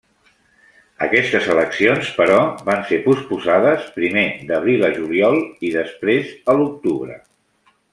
Aquestes eleccions, però, van ser posposades primer d'abril a juliol, i després a l'octubre.